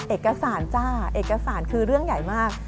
เอกสารจ้าเอกสารคือเรื่องใหญ่มาก